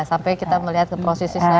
sampai kita melihat prosesnya